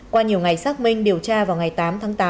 qua nhiều ngày xác minh điều tra vào ngày tám tháng tám